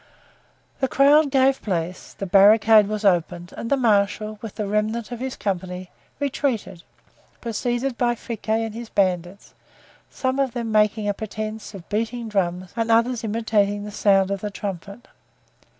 The crowd gave place, the barricade was opened, and the marshal, with the remnant of his company, retreated, preceded by Friquet and his bandits, some of them making a presence of beating drums and others imitating the sound of the trumpet.